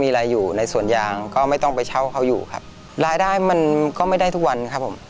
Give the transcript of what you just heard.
รายได้มันก็ไม่ได้ทุกวันครับเพราะว่าฝนฟ้าอากาศที่มันไม่แน่นอน